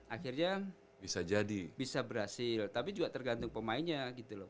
akhirnya bisa berhasil tapi juga tergantung pemainnya gitu loh